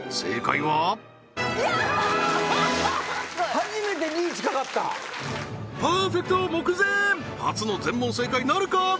初めてリーチかかったパーフェクト目前初の全問正解なるか？